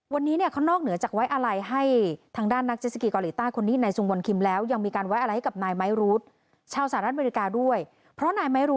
วันนี้เพราะนอกเหนือจากไว้ลัยให้